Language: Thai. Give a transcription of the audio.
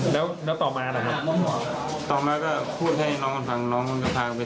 แล้วพี่เอาเงินไปทำอะไร